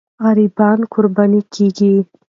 غریبان قرباني کېږي.